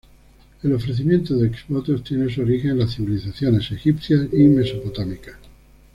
El ofrecimiento de exvotos tiene su origen en las civilizaciones egipcias y mesopotámicas.